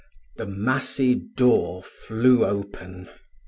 The massy door flew open.